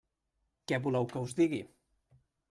Què voleu que us digui?